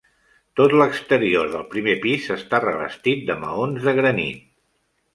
Tot l'exterior del primer pis està revestit de maons de granit.